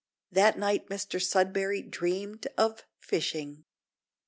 That night Mr Sudberry dreamed of fishing.